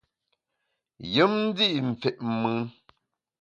Yùm ndi’ fit mùn.